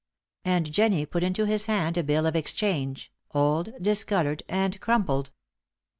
And Jennie put into his hand a bill of exchange, old, discoloured and crumpled.